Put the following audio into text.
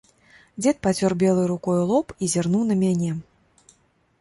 Дзед пацёр белай рукою лоб і зірнуў на мяне.